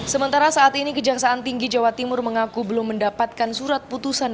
sementara saat ini kejaksaan tinggi jawa timur mengaku belum mendapatkan surat putusan